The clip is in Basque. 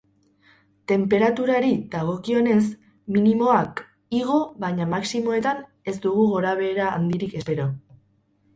Tenperaturari dagokionez, minimoak igo baina maximoetan, ez dugu gorabehera handirik espero.